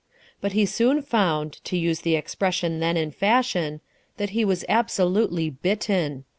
But he soon found, to use the expression then in fashion, that he was absolutely "bitten."